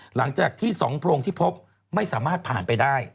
หลังจากที่๒โพรงที่พบไม่สามารถผ่านไปได้